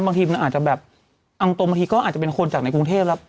บางทีมันอาจจะแบบอังตรมทีก็อาจจะเป็นคนจากในกรุงเทพฯ